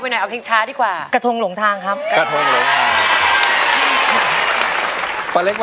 ตัวช่วยละครับเหลือใช้ได้อีกสองแผ่นป้ายในเพลงนี้จะหยุดทำไมสู้อยู่แล้วนะครับ